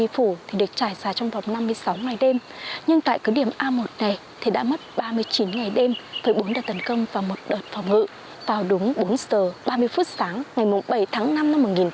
phòng ngự vào đúng bốn giờ ba mươi phút sáng ngày bảy tháng năm năm một nghìn chín trăm năm mươi bốn